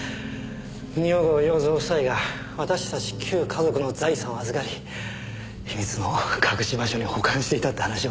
二百郷洋蔵夫妻が私たち旧華族の財産を預かり秘密の隠し場所に保管していたって話をね。